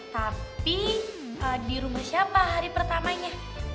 tapi di rumah siapa hari pertamanya